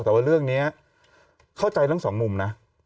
แต่ว่าเรื่องนี้เข้าใจทั้งสองมุมนะ